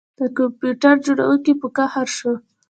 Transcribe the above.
د کمپیوټر جوړونکي په قهر شو